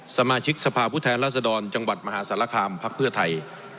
สมาชิกสภาพผู้แทนรัศดรจังหวัดมหาสารคามพักเพื่อไทย